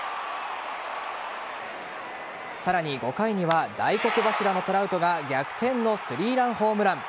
さらに５回には大黒柱のトラウトが逆転の３ランホームラン。